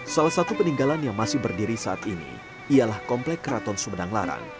salah satu peninggalan yang masih berdiri saat ini ialah komplek keraton sumedang larang